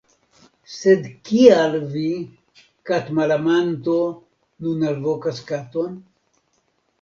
Sed kial vi, katmalamanto, nun alvokas katon?